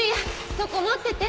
そこ持ってて。